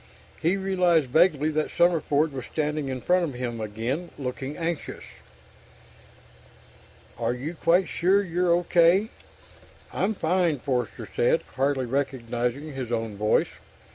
He realized vaguely that Summerford was standing in front of him again, looking anxious. "Are you quite sure you're okay?" "I'm fine," Forster said, hardly recognizing his own voice.